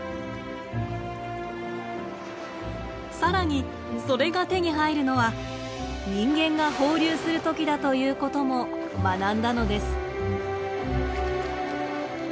さらにそれが手に入るのは人間が放流する時だということも学んだのです。